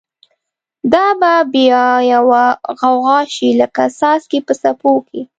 دا به بیا یوه غوغا شی، لکه څاڅکی په څپو کی